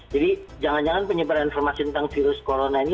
jadi jangan jangan penyebaran informasi tentang virus corona ini